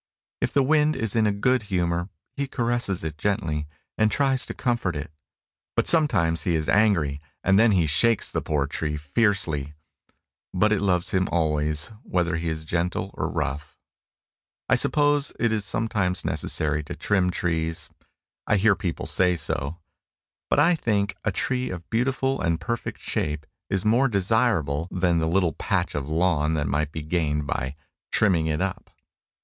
If the wind is in a good humor, he caresses it gently, and tries to comfort it; but sometimes he is angry, and then he shakes the poor tree fiercely. But it loves him always, whether he is gentle or rough. I suppose it is sometimes necessary to trim trees. I hear people say so. But I think a tree of beautiful and perfect shape is more desirable than the little patch of lawn that might be gained by "trimming it up."